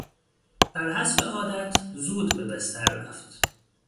برحسب عادت زود به بستر رفت.